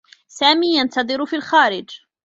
سامي ينتظر في الخارج.